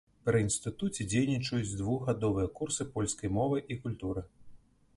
Пры інстытуце дзейнічаюць двухгадовыя курсы польскай мовы і культуры.